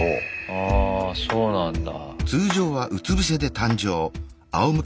あそうなんだ。